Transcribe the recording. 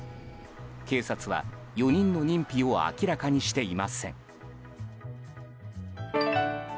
警察は、４人の認否を明らかにしていません。